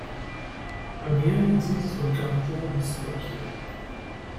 Rien n’est dit sur le caractère de ce papier.